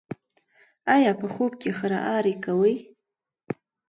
ایا په خوب کې خراری کوئ؟